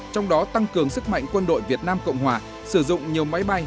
trong đó tăng cường sức mạnh quân đội việt nam cộng hòa sử dụng nhiều máy bay